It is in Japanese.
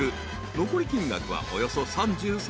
残り金額はおよそ３３万円］